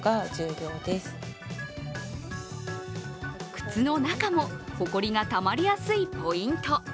靴の中もほこりがたまりやすいポイント。